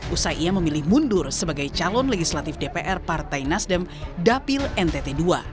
usai ia memilih mundur sebagai calon legislatif dpr partai nasdem dapil ntt ii